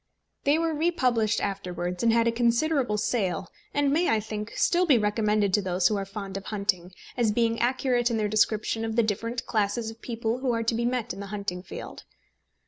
They were republished afterwards, and had a considerable sale, and may, I think, still be recommended to those who are fond of hunting, as being accurate in their description of the different classes of people who are to be met in the hunting field.